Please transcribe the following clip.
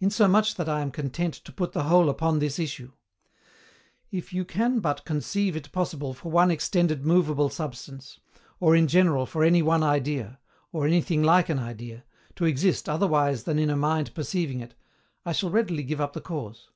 Insomuch that I am content to put the whole upon this issue: If you can but CONCEIVE it possible for one extended movable substance, or, in general, for any one idea, or anything like an idea, to exist otherwise than in a mind perceiving it, I shall readily give up the cause.